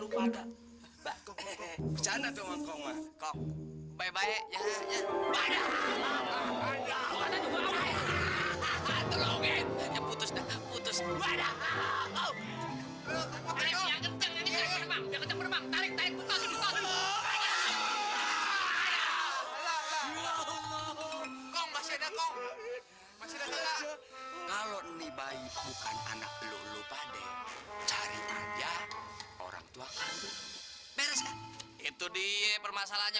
kalau nih baik bukan anak lupa deh cari aja orang tua itu dia permasalahannya